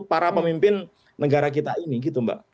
para pemimpin negara kita ini gitu mbak